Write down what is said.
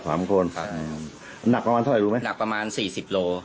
สามคนครับนะพร้อมเทียบรูมั้ยหนักประมาณสี่สิบโล